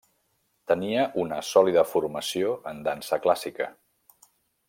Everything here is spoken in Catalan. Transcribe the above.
Tenia una sòlida formació en dansa clàssica.